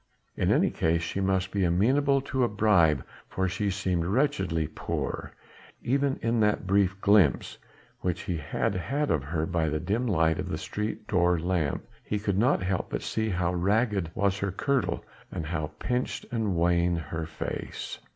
In any case she must be amenable to a bribe for she seemed wretchedly poor; even in that brief glimpse which he had had of her by the dim light of the street door lamp, he could not help but see how ragged was her kirtle and how pinched and wan her face.